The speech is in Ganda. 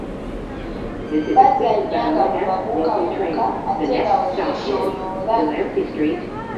Bazannya nga bwe babuukabuuka ate nga bwe beetooloola.